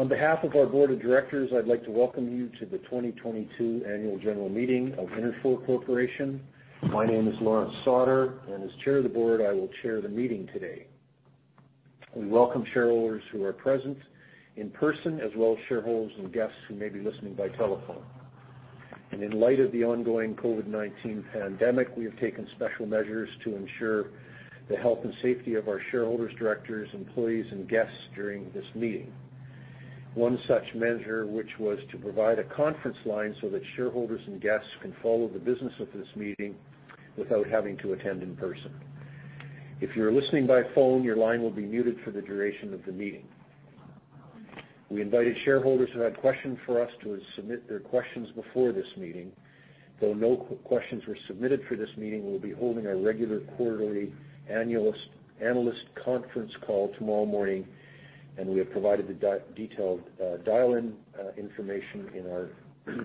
On behalf of our board of directors, I'd like to welcome you to the 2022 Annual General Meeting of Interfor Corporation. My name is Lawrence Sauder, and as Chair of the Board, I will chair the meeting today. We welcome shareholders who are present in person, as well as shareholders and guests who may be listening by telephone. In light of the ongoing COVID-19 pandemic, we have taken special measures to ensure the health and safety of our shareholders, directors, employees, and guests during this meeting. One such measure, which was to provide a conference line so that shareholders and guests can follow the business of this meeting without having to attend in person. If you are listening by phone, your line will be muted for the duration of the meeting. We invited shareholders who had questions for us to submit their questions before this meeting. Though no questions were submitted for this meeting, we'll be holding our regular quarterly analyst conference call tomorrow morning, and we have provided the detailed, dial-in, information in our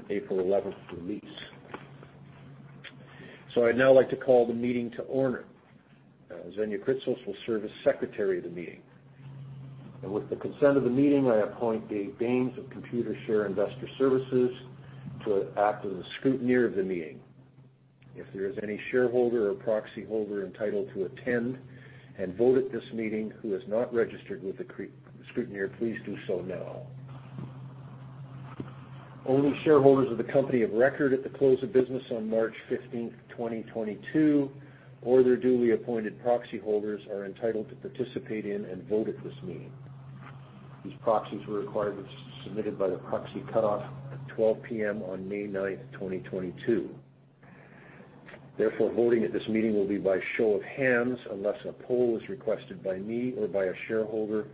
April eleventh release. I'd now like to call the meeting to order. Xenia Kritsos will serve as secretary of the meeting. With the consent of the meeting, I appoint Dave Baines of Computershare Investor Services to act as a scrutineer of the meeting. If there is any shareholder or proxyholder entitled to attend and vote at this meeting who is not registered with the scrutineer, please do so now. Only shareholders of the company of record at the close of business on March 15th, 2022, or their duly appointed proxy holders, are entitled to participate in and vote at this meeting. These proxies were required and submitted by the proxy cutoff at 12:00 P.M. on May ninth, 2022. Therefore, voting at this meeting will be by show of hands, unless a poll is requested by me or by a shareholder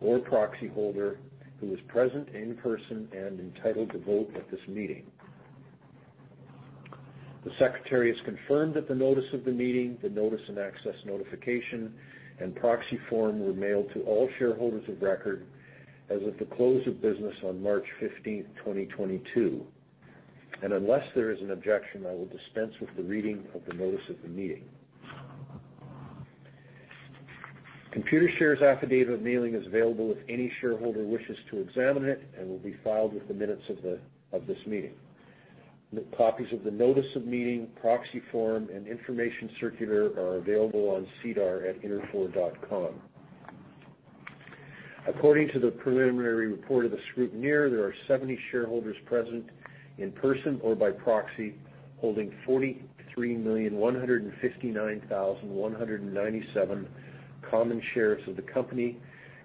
or proxyholder who is present in person and entitled to vote at this meeting. The secretary has confirmed that the notice of the meeting, the notice and access notification, and proxy form were mailed to all shareholders of record as of the close of business on March 15th, 2022. Unless there is an objection, I will dispense with the reading of the notice of the meeting. Computershare's affidavit of mailing is available if any shareholder wishes to examine it and will be filed with the minutes of this meeting. The copies of the notice of meeting, proxy form, and information circular are available on SEDAR at interfor.com. According to the preliminary report of the scrutineer, there are 70 shareholders present in person or by proxy, holding 43,159,197 common shares of the company,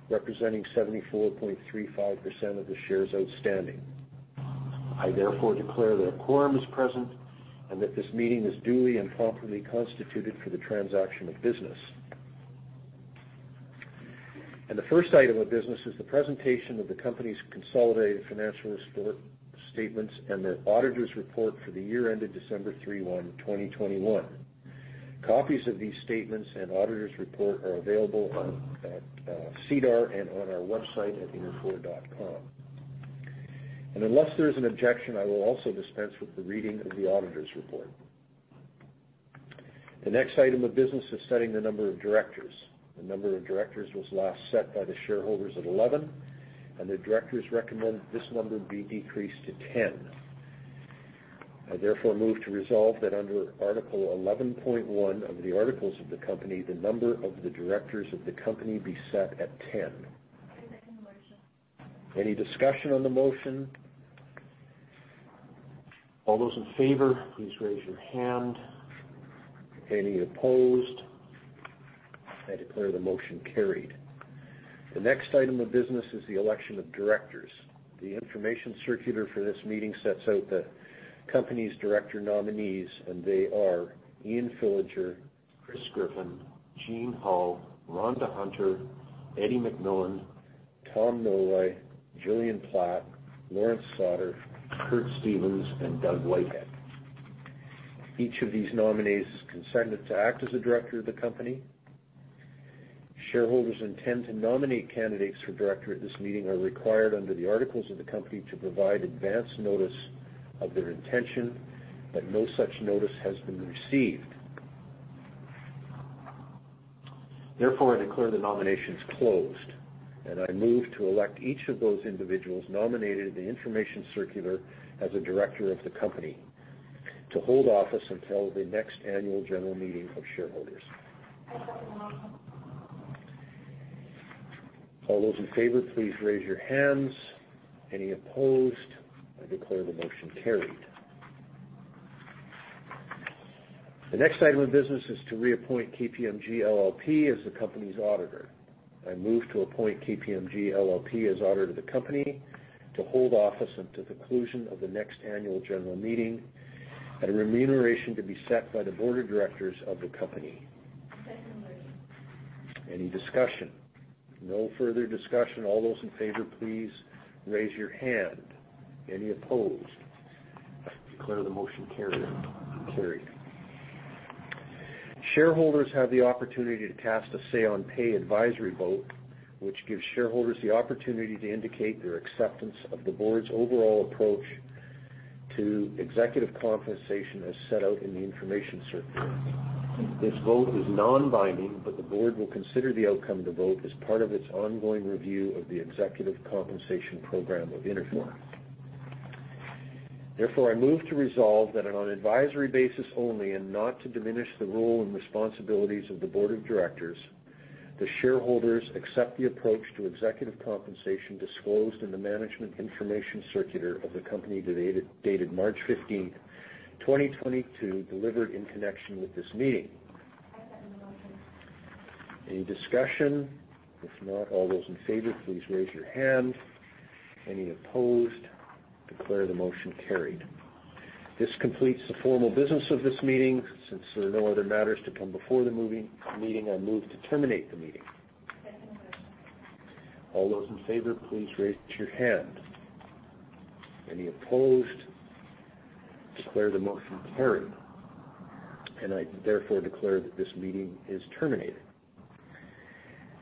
representing 74.35% of the shares outstanding. I therefore declare that a quorum is present and that this meeting is duly and properly constituted for the transaction of business. The first item of business is the presentation of the company's consolidated financial statements and the auditor's report for the year ended December 31, 2021. Copies of these statements and auditor's report are available on SEDAR and on our website at interfor.com. Unless there is an objection, I will also dispense with the reading of the auditor's report. The next item of business is setting the number of directors. The number of directors was last set by the shareholders at 11, and the directors recommend this number be decreased to 10. I therefore move to resolve that under Article 11.1 of the articles of the company, the number of the directors of the company be set at 10. I second the motion. Any discussion on the motion? All those in favor, please raise your hand. Any opposed? I declare the motion carried. The next item of business is the election of directors. The information circular for this meeting sets out the company's director nominees, and they are Ian Fillinger, Chris Griffin, Jeane Hull, Rhonda Hunter, Eddie McMillan, Tom Milroy, Gillian Platt, Lawrence Sauder, Curtis Stevens, and Doug Whitehead. Each of these nominees is consented to act as a director of the company. Shareholders who intend to nominate candidates for director at this meeting are required under the articles of the company to provide advanced notice of their intention, but no such notice has been received. Therefore, I declare the nominations closed, and I move to elect each of those individuals nominated in the information circular as a director of the company to hold office until the next annual general meeting of shareholders. All those in favor, please raise your hands. Any opposed? I declare the motion carried. The next item of business is to reappoint KPMG LLP as the company's auditor. I move to appoint KPMG LLP as auditor of the company to hold office until the conclusion of the next Annual General Meeting, at a remuneration to be set by the board of directors of the company. I second the motion. Any discussion? No further discussion. All those in favor, please raise your hand. Any opposed? I declare the motion carried, carried. Shareholders have the opportunity to cast a Say-on-Pay advisory vote, which gives shareholders the opportunity to indicate their acceptance of the board's overall approach to executive compensation as set out in the Information Circular. This vote is non-binding, but the board will consider the outcome of the vote as part of its ongoing review of the executive compensation program of Interfor. Therefore, I move to resolve that on an advisory basis only and not to diminish the role and responsibilities of the board of directors, the shareholders accept the approach to executive compensation disclosed in the Management Information Circular of the company dated, dated March 15th, 2022, delivered in connection with this meeting. Any discussion? If not, all those in favor, please raise your hand. Any opposed? Declare the motion carried. This completes the formal business of this meeting. Since there are no other matters to come before the meeting, I move to terminate the meeting. I second the motion. All those in favor, please raise your hand. Any opposed? I declare the motion carried, and I therefore declare that this meeting is terminated.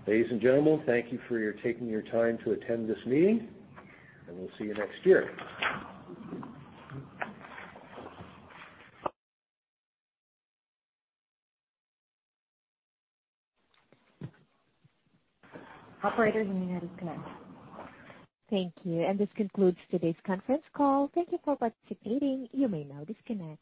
Ladies and gentlemen, thank you for taking your time to attend this meeting, and we'll see you next year. Operator, you may disconnect. Thank you, and this concludes today's conference call. Thank you for participating. You may now disconnect.